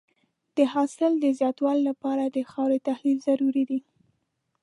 د حاصل د زیاتوالي لپاره د خاورې تحلیل ضروري دی.